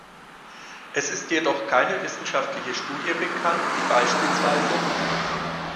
Es ist jedoch keine wissenschaftliche Studie bekannt, die bspw.